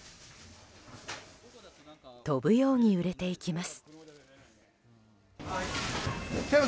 飛ぶように売れていきます。